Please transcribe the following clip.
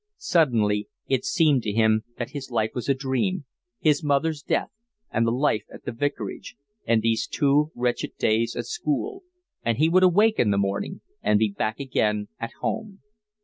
Suddenly it seemed to him that his life was a dream, his mother's death, and the life at the vicarage, and these two wretched days at school, and he would awake in the morning and be back again at home.